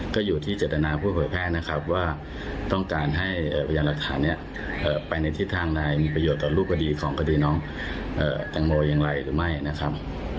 ก็อยู่ที่เจตนาผู้เผยแพร่นะครับว่าต้องการให้พยานหลักฐานนี้ไปในทิศทางใดมีประโยชน์ต่อรูปคดีของคดีน้องแตงโมอย่างไรหรือไม่นะครับ